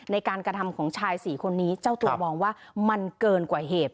ในการกระทำของชายสี่คนนี้เจ้าตัวมองว่ามันเกินกว่าเหตุ